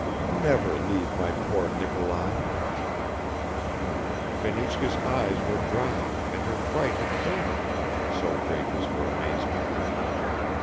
Never leave my poor Nikolai!" Fenichka's eyes were dry and her fright had vanished so great was her amazement.